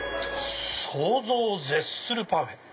想像を絶するパフェ。